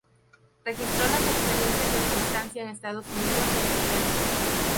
Registró las experiencias de su estancia en Estados Unidos en su diario.